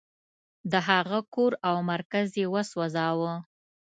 د هغه کور او مرکز یې وسوځاوه.